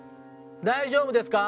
大丈夫ですか？